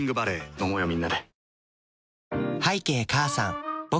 飲もうよみんなで。